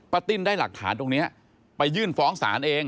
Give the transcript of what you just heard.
ติ้นได้หลักฐานตรงนี้ไปยื่นฟ้องศาลเอง